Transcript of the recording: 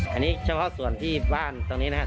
อันนี้เฉพาะส่วนที่บ้านตรงนี้นะครับ